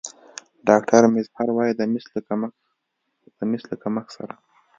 ډاکتر میزهر وايي د مس له کمښت سره